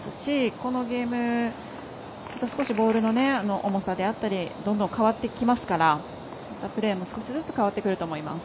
このゲーム、少しボールの重さであったりどんどん変わってきますからまたプレーも少しずつ変わってくると思います。